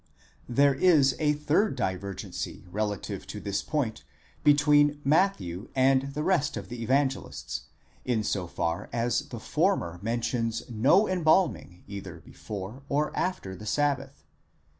There is a third divergency relative to this point between Matthew and the rest of the Evangelists, in so far as the former mentions no embalming either before or after the sabbath.